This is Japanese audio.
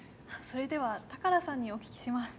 それでは宝さんにお聞きします